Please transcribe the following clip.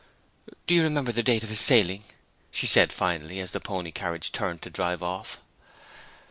'Do you remember the date of his sailing?' she said finally, as the pony carriage turned to drive off.